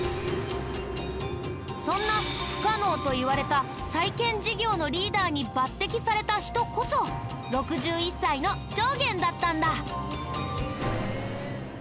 そんな不可能といわれた再建事業のリーダーに抜擢された人こそ６１歳の重源だったんだ